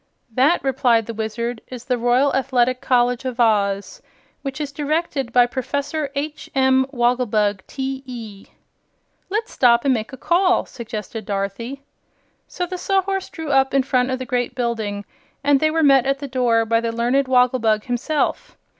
"That," replied the Wizard, "is the Royal Athletic College of Oz, which is directed by Professor H. M. Wogglebug, T.E." "Let's stop and make a call," suggested Dorothy. So the Sawhorse drew up in front of the great building and they were met at the door by the learned Wogglebug himself.